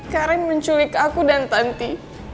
karen menculik aku dan tanti